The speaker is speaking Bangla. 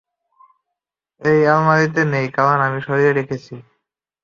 এই আলমারিতে নেই, কারণ আমি সরিয়ে রেখেছি।